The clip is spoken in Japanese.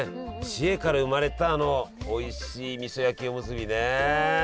知恵から生まれたあのおいしいみそ焼きおむすびね。